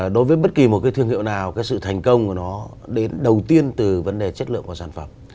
đối với bất kỳ một cái thương hiệu nào cái sự thành công của nó đến đầu tiên từ vấn đề chất lượng của sản phẩm